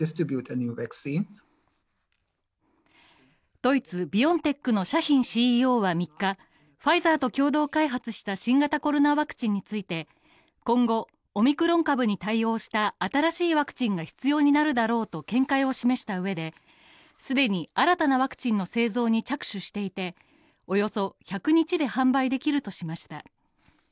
ドイツ・ビオンテックのシャヒンＣＥＯは３日、ファイザーと共同開発した新型コロナワクチンについて、今後、オミクロン株に対応した新しいワクチンが必要になるだろうと見解を示したうえで既に新たなワクチンの製造に着手していて、およそ１００日で販売できるとしました。